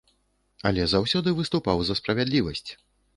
Але заўсёды выступаў за справядлівасць.